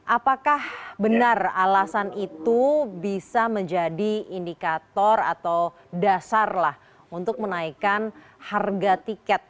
apakah benar alasan itu bisa menjadi indikator atau dasar lah untuk menaikkan harga tiket